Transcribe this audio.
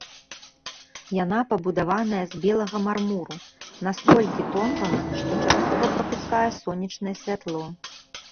Яна пабудаваная з белага мармуру, настолькі тонкага, што часткова прапускае сонечнае святло.